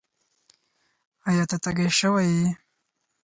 ایا؛ ته تږی شوی یې؟